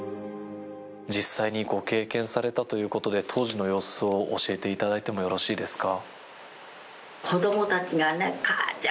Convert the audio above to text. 実際にご経験されたということで当時の様子を教えていただいてもよろしいですか。